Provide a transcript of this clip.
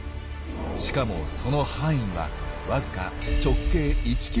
しかもその範囲はわずか直径１ｋｍほど。